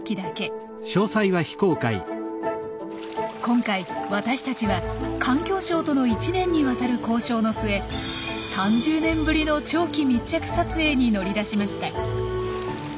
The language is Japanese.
今回私たちは環境省との１年にわたる交渉の末３０年ぶりの長期密着撮影に乗り出しました。